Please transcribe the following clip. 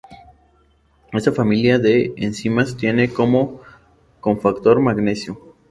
Esta familia de enzimas tiene como cofactor magnesio.